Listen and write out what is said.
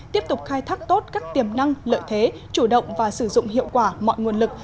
tiếp tục khai thác tốt các tiềm năng lợi thế chủ động và sử dụng hiệu quả mọi nguồn lực